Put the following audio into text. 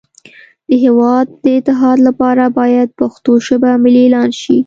د هیواد د اتحاد لپاره باید پښتو ژبه ملی اعلان شی